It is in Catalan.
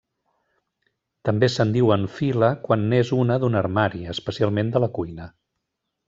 També se'n diu enfila quan n'és una d'un armari, especialment de la cuina.